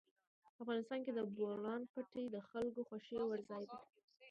افغانستان کې د بولان پټي د خلکو د خوښې وړ ځای دی.